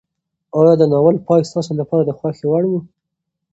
ایا د ناول پای ستاسو لپاره د خوښۍ وړ و؟